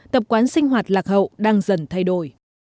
tập quán sinh hoạt lạc hậu đang dần thay đổi